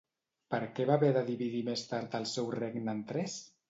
Per què va haver de dividir més tard el seu regne en tres?